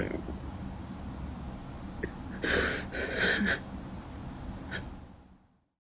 สุขภาพจิตอดเสียไปเลยนะครับทุกคนรู้สึกแย่มากมากมากมาก